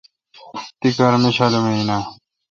تی کار میشالم اؘ نہ۔